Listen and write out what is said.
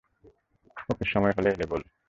ওকে, সময় হয়ে এলো বলে!